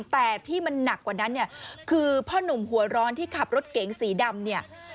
แต่ที่มันหนักกว่านั้นเนี่ยคือพ่อนุ่มหัวร้อนที่ขับรถเก๋งสีดำเนี่ย